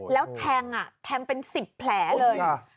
แล้วแทงแทงเป็น๑๐แผลเลย